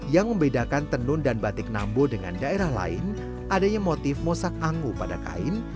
yang membedakan tenun dan batik nambo dengan daerah lain adanya motif mosak angu pada kain